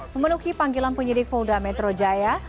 memenuhi panggilan penyidik polda metro jaya